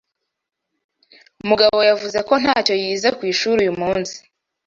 Mugabo yavuze ko ntacyo yize ku ishuri uyu munsi.